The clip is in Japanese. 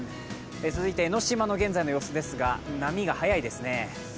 続いて江の島の現在の様子ですが波、速いですね。